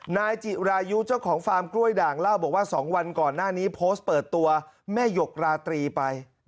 นายจิรายุเจ้าของฟาร์มกล้วยด่างเล่าบอกว่า๒วันก่อนหน้านี้โพสต์เปิดตัวแม่หยกราตรีไป